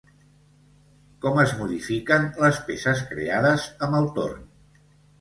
Com es modifiquen les peces creades amb el torn?